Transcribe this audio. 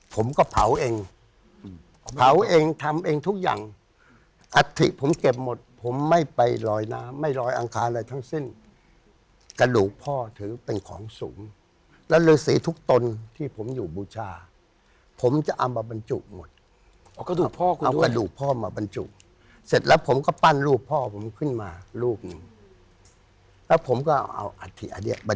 ผมก็เผาเองเผาเองทำเองทุกอย่างอัฐิผมเก็บหมดผมไม่ไปลอยน้ำไม่ลอยอังคารอะไรทั้งสิ้นกระดูกพ่อถือเป็นของสูงแล้วฤษีทุกตนที่ผมอยู่บูชาผมจะเอามาบรรจุหมดเอากระดูกพ่อคุณเอากระดูกพ่อมาบรรจุเสร็จแล้วผมก็ปั้นรูปพ่อผมขึ้นมารูปหนึ่งแล้วผมก็เอาอัฐิอันนี้บ